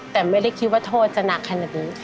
แต่ไม่ได้คิดว่าโทษจะหนักขนาดนี้